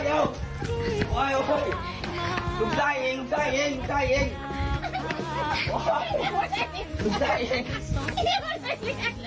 ตัวไหนที่เล่นกับแม่